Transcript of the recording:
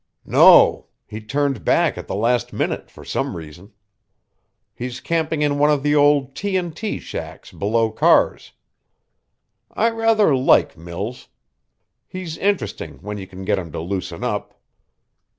"No. He turned back at the last minute, for some reason. He's camping in one of the old T. & T. shacks below Carr's. I rather like Mills. He's interesting when you can get him to loosen up.